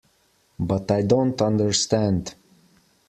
But I don't understand.